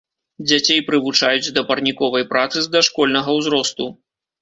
Дзяцей прывучаюць да парніковай працы з дашкольнага ўзросту.